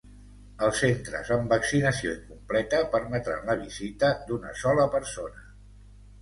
Els centres amb vaccinació incompleta permetran la visita d’una sola persona.